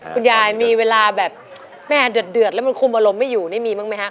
คุณยายมีเวลาแบบแม่เดือดแล้วมันคุมอารมณ์ไม่อยู่นี่มีบ้างไหมครับ